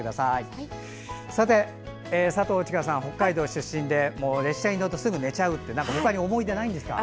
さて、佐藤千佳さんは北海道出身で列車に乗るとすぐ寝ちゃうって思い出ないんですか？